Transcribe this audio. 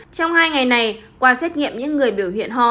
trong hai ngày này qua xét nghiệm những người biểu hiện ho